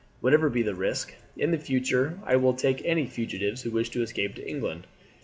"Whatever be the risk, in future I will take any fugitives who wish to escape to England.